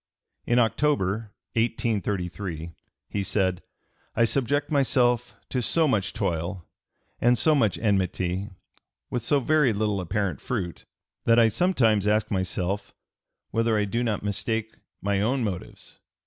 In October, 1833, he said: "I subject myself to so much toil and so much enmity, with so very little apparent fruit, that I sometimes ask myself whether I do not mistake my own motives.